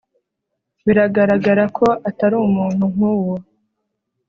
Biragaragara ko atari umuntu nkuwo